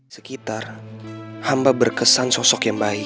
sini tangan satunya